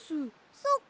そっか。